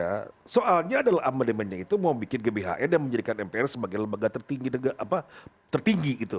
amandemen itu gak soal oke soalnya adalah amandemennya itu mau bikin gbhn dan menjadikan mpr sebagai lembaga tertinggi tertinggi gitu